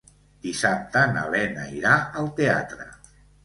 Dissabte na Lena irà al teatre.